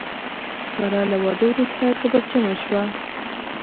ساره له واده وروسته کبرجنه شوه.